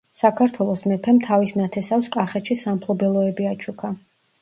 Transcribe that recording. საქართველოს მეფემ თავის ნათესავს კახეთში სამფლობელოები აჩუქა.